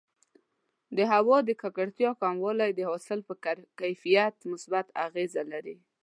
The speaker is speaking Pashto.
د هوا د ککړتیا کموالی د حاصل پر کیفیت مثبت اغېز لري.